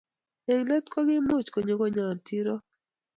Eng' let ko kiimuch konyo konyon Tirop.